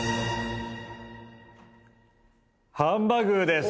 ハンバ具ーです。